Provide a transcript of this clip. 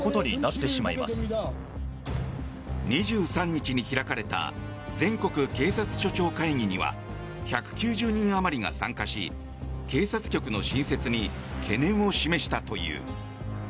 ２３日に開かれた全国警察署長会議には１９０人余りが参加し警察局の新設に懸念を示したという。